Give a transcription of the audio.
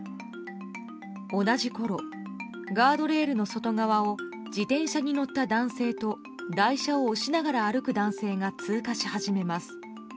同じころ、ガードレールの外側を自転車に乗った男性と台車を押しながら歩く男性が通過し始めます。